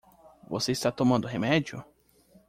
Você está tomando remédio?